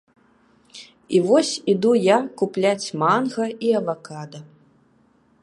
І вось іду я купляць манга і авакада.